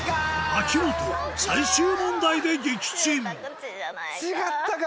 秋元最終問題で撃沈違ったか！